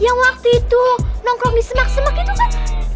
yang waktu itu nongkrong di semak semak itu kan